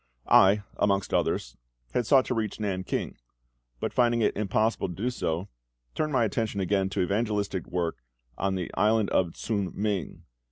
I, amongst others, had sought to reach Nan king; but finding it impossible to do so, turned my attention again to evangelistic work on the island of Ts'ung ming.